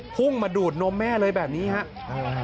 พุ่งมาดูดนมแม่เลยแบบนี้ครับ